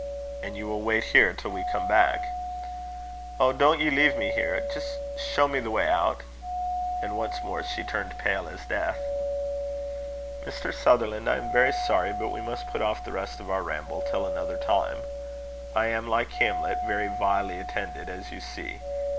"And you will wait here till we come back?" "Oh! don't ye leave me here. Just show me the way out." And once more she turned pale as death. "Mr. Sutherland, I am very sorry, but we must put off the rest of our ramble till another time. I am, like Hamlet, very vilely attended, as you see.